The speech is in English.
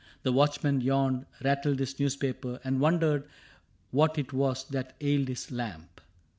The watchman yawned, rattled his newspaper. And wondered what it was that ailed his lamp.